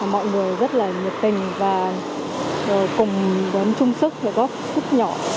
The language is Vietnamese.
mọi người rất là nhiệt tình và cùng với chúng sức góp sức nhỏ